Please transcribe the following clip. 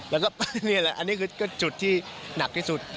แล้วก็นี่แหละอันนี้คือก็จุดที่หนักที่สุด